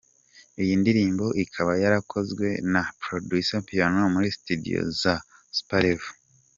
Iyi ndirimbo ikaba yarakozwe na producer Piano muri studio za Super level.